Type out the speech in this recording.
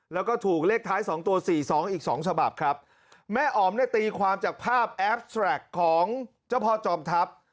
แล้วก็ถูกเลขท้ายสองตัวสี่สองอีกสองฉบับครับแม่อ๋อมเนี่ยตีความจากภาพแอฟแทรกของเจ้าพ่อจอมทัพ